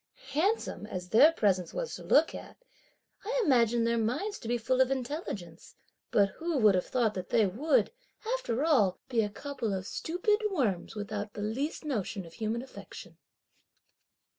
Handsome as their presence was to look at, I imagined their minds to be full of intelligence, but who would have thought that they would, after all, be a couple of stupid worms, without the least notion of human affection!"